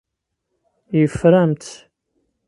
Yeffer-am-tt.